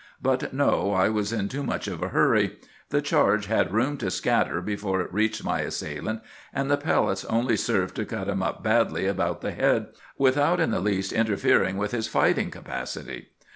But no, I was in too much of a hurry. The charge had room to scatter before it reached my assailant; and the pellets only served to cut him up badly about the head without in the least interfering with his fighting capacity.